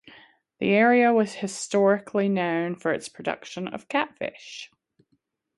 The area was historically known for its production of catfish.